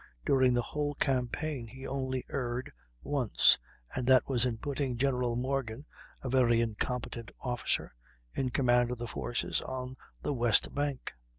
During the whole campaign he only erred once, and that was in putting General Morgan, a very incompetent officer, in command of the forces on the west bank.